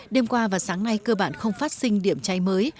đêm qua và sáng nay cơ bản không phát sinh điểm cháy mới